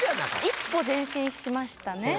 １歩前進しましたね。